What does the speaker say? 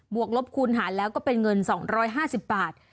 วกลบคูณหารแล้วก็เป็นเงิน๒๕๐บาท